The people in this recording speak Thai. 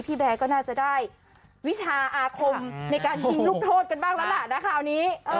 แบร์ก็น่าจะได้วิชาอาคมในการยิงลูกโทษกันบ้างแล้วล่ะนะคราวนี้